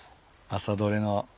朝採れの。